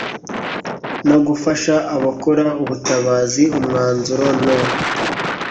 no gufasha abakora ubutabazi umwanzuro no